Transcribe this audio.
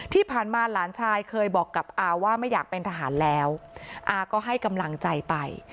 ที่ผ่านมาหลานชายเคยบอกกับอาว่าไม่อยากเป็นทหารแล้วอาก็ให้กำลังใจไป